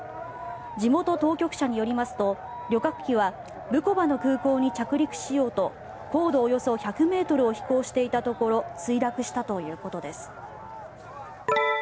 地元当局者によりますと旅客機はブコバの空港に着陸しようと高度およそ１００ｍを飛行していたところ墜落したということです。